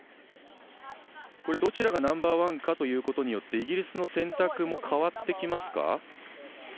どちらがナンバーワンかということによってイギリスの選択も変わってきますか？